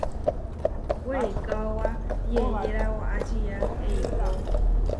Weikaóba yeʼyéra waʼá čía eikó.